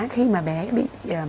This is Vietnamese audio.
khi mà bé bị